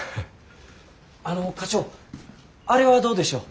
あの課長あれはどうでしょう。